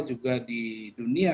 juga di dunia